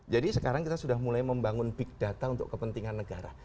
jadi sekarang kita sudah mulai membangun big data untuk kepentingan negara